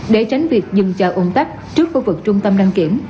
để tránh việc dừng chờ ôn tắt trước khu vực trung tâm đăng kiểm